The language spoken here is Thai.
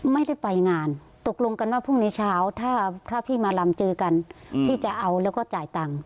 ไม่ได้ไปงานตกลงกันว่าพรุ่งนี้เช้าถ้าพี่มาลำเจอกันพี่จะเอาแล้วก็จ่ายตังค์